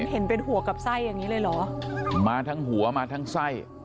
เห็นเป็นหัวกับไส้อย่างนี้เลยเหรอมาทั้งหัวมาทั้งไส้